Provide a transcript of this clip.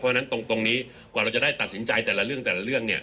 เพราะฉะนั้นตรงนี้กว่าเราจะได้ตัดสินใจแต่ละเรื่องแต่ละเรื่องเนี่ย